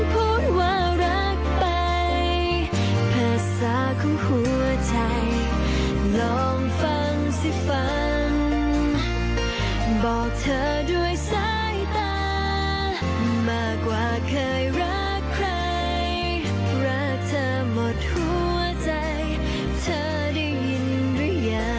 โปรดติดตามตอนต่อไป